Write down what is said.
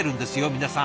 皆さん。